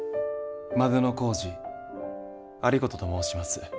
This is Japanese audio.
万里小路有功と申します。